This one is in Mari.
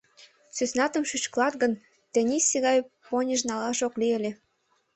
Сӧснатым шӱшкылат гын, тенийсе гай поньыж налаш ок лий ыле.